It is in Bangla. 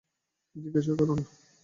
জিজ্ঞেসই কোরো না।